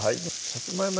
さつまいも